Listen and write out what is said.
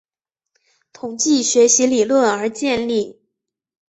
统计学习理论而建立。